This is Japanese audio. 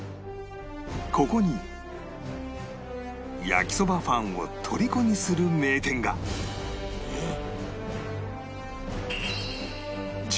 ここに焼きそばファンをとりこにする名店がえっ！